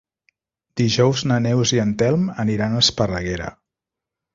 Dijous na Neus i en Telm aniran a Esparreguera.